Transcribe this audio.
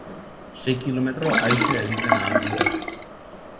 Sei kilometro aise egiten ahal dira.